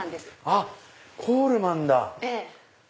あっコールマンだ！